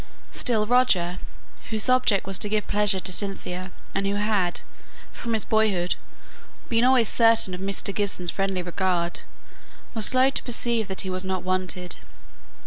Still Roger, whose object was to give pleasure to Cynthia, and who had, from his boyhood, been always certain of Mr. Gibson's friendly regard, was slow to perceive that he was not wanted.